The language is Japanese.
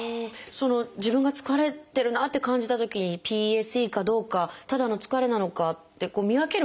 自分が疲れてるなって感じたときにＰＥＳＥかどうかただの疲れなのかって見分ける方法っていうのはあるんですか？